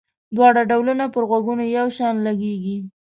دواړه ډولونه پر غوږونو یو شان لګيږي.